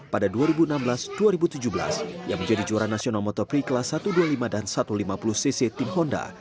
pada dua ribu enam belas dua ribu tujuh belas ia menjadi juara nasional motopri kelas satu ratus dua puluh lima dan satu ratus lima puluh cc tim honda